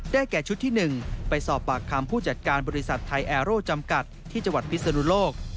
แก่ชุดที่๑ไปสอบปากคำผู้จัดการบริษัทไทยแอร์โร่จำกัดที่จังหวัดพิศนุโลก